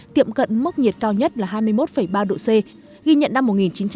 tiệm cận mức nhiệt cao nhất là hai mươi một ba độ c ghi nhận năm một nghìn chín trăm bảy mươi